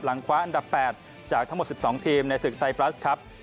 คว้าอันดับ๘จากทั้งหมด๑๒ทีมในศึกไซปรัสครับ